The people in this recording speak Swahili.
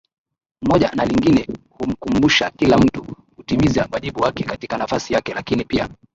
moja na lingine Humkumbusha kila mtu kutimiza wajibu wake katika nafasi yake Lakini pia